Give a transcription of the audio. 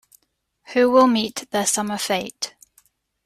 Who will meet their summer fate?